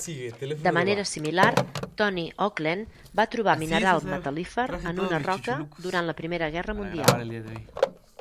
De manera similar, Tony Oklend va trobar mineral metal·lífer en una roca durant la Primera Guerra Mundial.